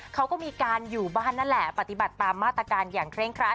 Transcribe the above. เขาก็มีการอยู่บ้านนั่นแหละปฏิบัติตามมาตรการอย่างเคร่งครัด